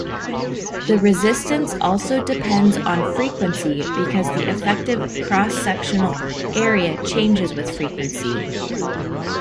The resistance also depends on frequency because the effective cross-sectional area changes with frequency.